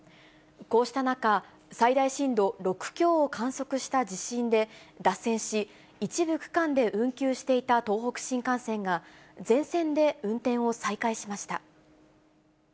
こうした中、最大震度６強を観測した地震で、脱線し、一部区間で運休していた東北新幹線が、全線で運転を再開しました。